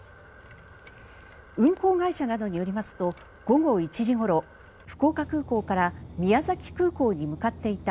運航会社などによりますと午後１時ごろ福岡空港から宮崎空港に向かっていた